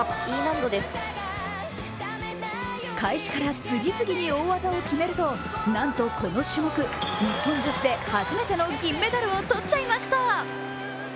開始から次々に大技を決めるとなんとこの種目、日本女子で初めての銀メダルを取っちゃいました。